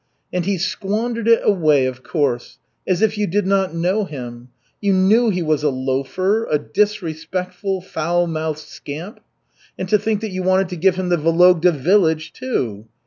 "And he squandered it away, of course. As if you did not know him! You knew he was a loafer, a disrespectful, foul mouthed scamp. And to think that you wanted to give him the Vologda village, too.